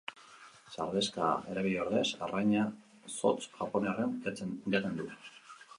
Sardexka erabili ordez arraina zotz japoniarrekin jaten du.